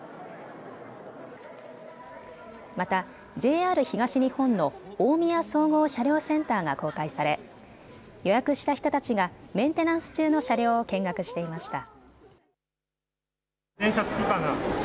また、ＪＲ東日本の大宮総合車両センターが公開され予約した人たちがメンテナンス中の車両を見学していました。